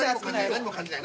何も感じない。